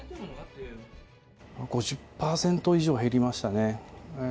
５０％以上は減りましたね。